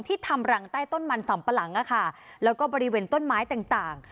ทำรังใต้ต้นมันสำปะหลังแล้วก็บริเวณต้นไม้ต่างต่าง